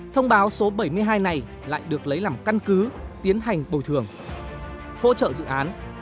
thông báo số bảy mươi hai này lại được lấy làm căn cứ tiến hành bồi thường hỗ trợ dự án